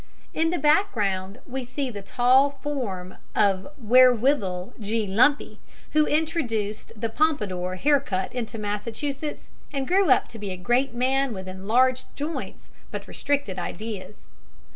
In the background we see the tall form of Wherewithal G. Lumpy, who introduced the Pompadour hair cut into Massachusetts and grew up to be a great man with enlarged joints but restricted ideas.